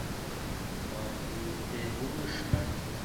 Башҡорттар китте һуғышҡа